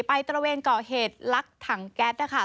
ตระเวนก่อเหตุลักถังแก๊สนะคะ